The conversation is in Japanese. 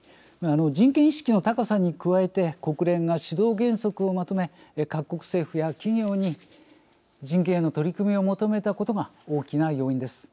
人権意識の高さに加えて国連が指導原則をまとめ各国政府や企業に人権への取り組みを求めたことが大きな要因です。